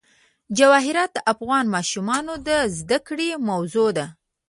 جواهرات د افغان ماشومانو د زده کړې موضوع ده.